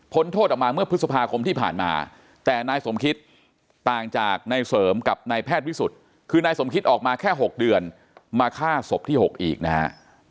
โทษออกมาเมื่อพฤษภาคมที่ผ่านมาแต่นายสมคิดต่างจากนายเสริมกับนายแพทย์วิสุทธิ์คือนายสมคิดออกมาแค่๖เดือนมาฆ่าศพที่๖อีกนะฮะ